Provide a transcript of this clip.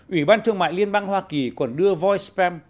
ủy ban thương mại liên bang hoa kỳ còn đưa voicef